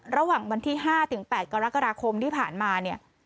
ระหว่างวันที่๕ถึง๘กรกฎาคมที่ผ่านมาเนี่ย